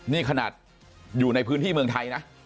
นี่ขนาดอยู่ในพื้นที่เมืองไทยนะ